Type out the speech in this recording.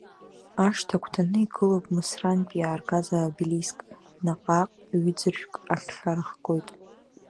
Ашҭа агәҭаны игылоуп Мысрантәи иааргаз аобелиск, наҟ-ааҟ ҩы-ӡыршәк ахьхьа рыхгоит.